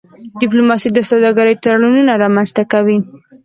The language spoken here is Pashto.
ډيپلوماسي د سوداګری تړونونه رامنځته کوي.